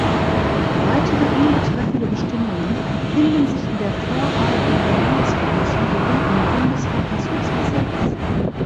Weitere ihn betreffende Bestimmungen finden sich in der Vorarlberger Landesverfassung sowie im Bundes-Verfassungsgesetz.